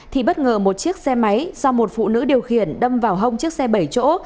thì bất ngờ một chiếc xe máy do một phụ nữ điều khiển đâm vào hông chiếc xe bảy chỗ